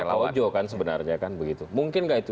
kaujo kan sebenarnya mungkin gak itu